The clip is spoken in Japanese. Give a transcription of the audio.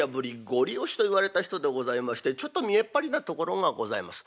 ごり押しと言われた人でございましてちょっと見えっ張りなところがございます。